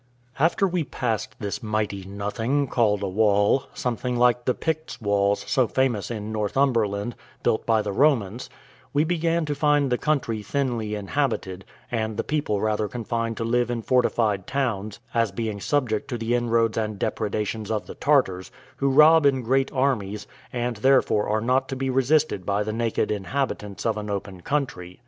After we passed this mighty nothing, called a wall, something like the Picts' walls so famous in Northumberland, built by the Romans, we began to find the country thinly inhabited, and the people rather confined to live in fortified towns, as being subject to the inroads and depredations of the Tartars, who rob in great armies, and therefore are not to be resisted by the naked inhabitants of an open country.